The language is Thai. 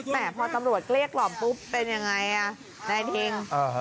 แต่พอตำรวจเกลี้ยกหล่อมปุ๊บเป็นยังไงอ่ะนายทิ้งอ่า